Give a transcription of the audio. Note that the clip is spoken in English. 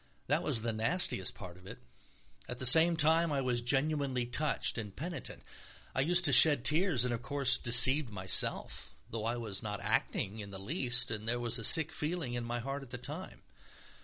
That was the nastiest part of it. At the same time I was genuinely touched and penitent, I used to shed tears and, of course, deceived myself, though I was not acting in the least and there was a sick feeling in my heart at the time....